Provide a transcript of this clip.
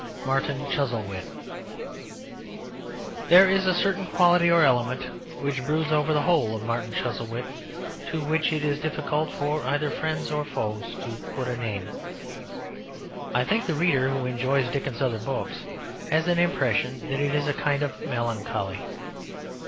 ] MARTIN CHUZZLEWIT There is a certain quality or element which broods over the whole of Martin Chuzzlewit to which it is difficult for either friends or foes to put a name. I think the reader who enjoys Dickens's other books has an impression that it is a kind of melancholy.